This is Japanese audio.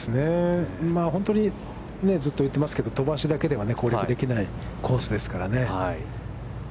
本当にずっと言ってますけど、飛ばしだけでは攻略できないコースですからね。